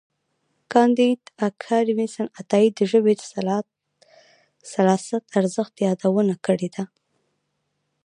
کانديد اکاډميسن عطايي د ژبې د سلاست ارزښت یادونه کړې ده.